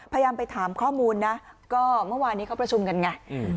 พยายามไปถามข้อมูลนะก็เมื่อวานนี้เขาประชุมกันไง